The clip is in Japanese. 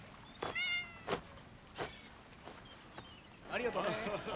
ありがとう。